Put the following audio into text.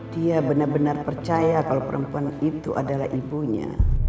dia benar benar percaya kalau perempuan itu adalah ibunya